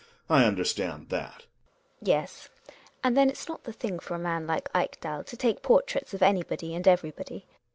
I understand that. GiNA. Yes, and then it's not the thing for a man like Ekdal to take portraits of anybody and everybody.